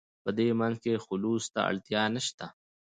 په دې منځ کې خلوص ته اړتیا نشته.